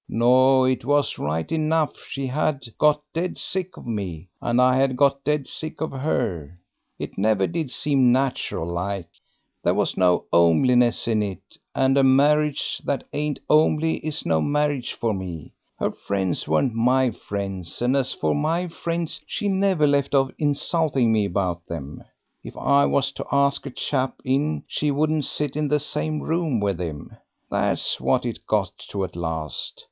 "No, it was right enough! she had got dead sick of me, and I had got dead sick of her. It never did seem natural like. There was no 'omeliness in it, and a marriage that ain't 'omely is no marriage for me. Her friends weren't my friends; and as for my friends, she never left off insulting me about them. If I was to ask a chap in she wouldn't sit in the same room with him. That's what it got to at last.